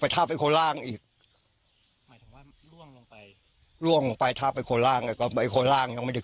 ไปท่าไปโคล่างอีกล่วงไปท่าไปโคล่างไปโคล่างไม่ได้